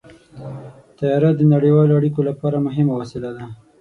طیاره د نړیوالو اړیکو لپاره مهمه وسیله ده.